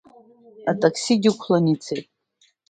Атаксигьы ықәланы ицеит.